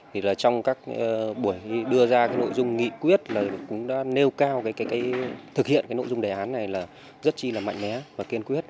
thì là trong các buổi đưa ra cái nội dung nghị quyết là cũng đã nêu cao cái thực hiện cái nội dung đề án này là rất chi là mạnh mẽ và kiên quyết